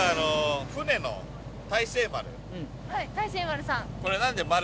大成丸さん。